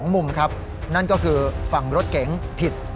มุมครับนั่นก็คือฝั่งรถเก๋งผิด